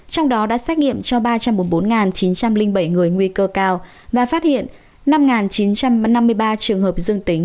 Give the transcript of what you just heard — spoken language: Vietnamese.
trong đó đã xét nghiệm cho ba trăm bốn mươi bốn chín trăm linh bảy người nguy cơ cao và phát hiện năm chín trăm năm mươi ba trường hợp dương tính